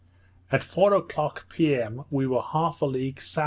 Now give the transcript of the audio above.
At four o'clock p.m. we were half a league S.S.